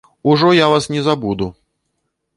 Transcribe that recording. Ужо я вас не забуду!